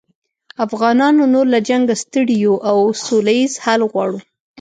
افغانان نور له جنګه ستړي یوو او سوله ییز حل غواړو